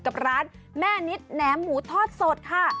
กับร้านแม่นิดแหนมหมูทอดสดค่ะ